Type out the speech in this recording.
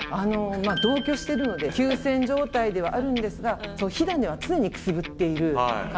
同居してるので休戦状態ではあるんですが火種は常にくすぶっている感じで。